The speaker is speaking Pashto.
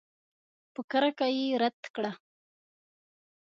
په کرکه یې رد کړه.